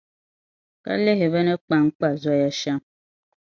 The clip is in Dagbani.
Ka lihi bɛ ni kpankpa zoya shɛm?